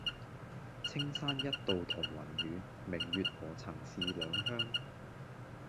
青山一道同雲雨，明月何曾是兩鄉